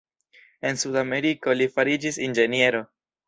En Sudameriko li fariĝis inĝeniero.